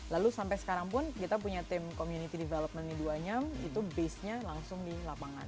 lalu sampai sekarang pun kita punya tim community development di duanyam itu basenya langsung di lapangan